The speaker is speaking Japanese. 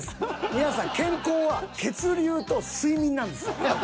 皆さん健康は血流と睡眠なんです。